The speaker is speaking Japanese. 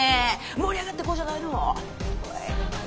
盛り上がっていこうじゃないの！